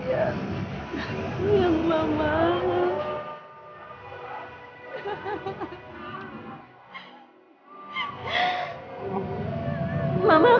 tahu ga apa bisa kita ber liljana marah